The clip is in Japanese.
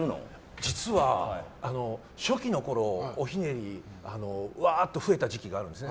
実は、初期のころ、おひねりうわーっと増えた時期があるんですね。